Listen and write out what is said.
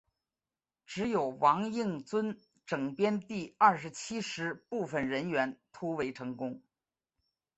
只有王应尊整编第二十七师部分人员突围成功。